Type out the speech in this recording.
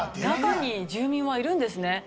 中に住民はいるんですね。